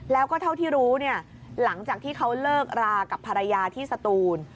แล้วก็เท่าที่รู้เนี่ยหลังจากที่เขาเลิกรากับภรรยาที่สตูน